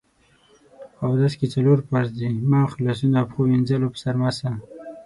اودس کې څلور فرض دي: مخ، لاسونو او پښو مينځل او په سر مسح